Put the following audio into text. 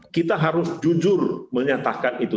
kita harus jujur menyatakan itu